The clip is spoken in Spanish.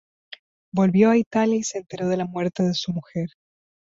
Volvió a Italia y se enteró de la muerte de su mujer.